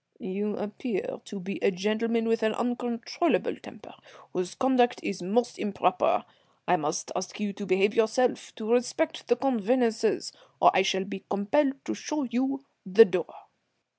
"You appear to be a gentleman with an uncontrollable temper, whose conduct is most improper. I must ask you to behave yourself, to respect the convenances, or I shall be compelled to show you the door."